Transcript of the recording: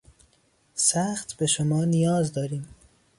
سخت به شما نیاز داریم.